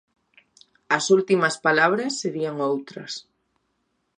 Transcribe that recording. As últimas palabras, serían outras.